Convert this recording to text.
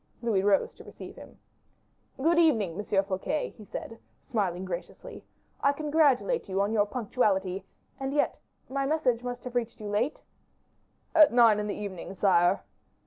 Louis rose to receive him. "Good evening, M. Fouquet," he said, smiling graciously; "I congratulate you on your punctuality; and yet my message must have reached you late?" "At nine in the evening, sire."